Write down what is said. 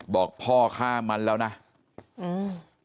บอกพ่อฆ่ามันแล้วนะอืม